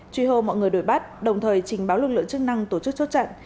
truy hô mọi người đổi bắt đồng thời trình báo lực lượng chức năng tổ chức chốt chặn